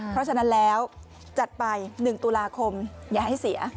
เพราะฉะนั้นแล้วจัดไป๑ตุลาคมอย่าให้เสีย